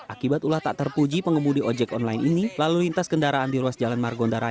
akibat ulah tak terpuji pengemudi ojek online ini lalu lintas kendaraan di ruas jalan margonda raya